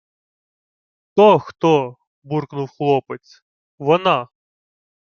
— Хто, хто! — буркнув хлопець. — Вона!